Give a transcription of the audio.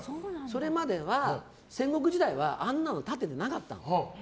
それまでは戦国時代はあんなの立ててなかったの。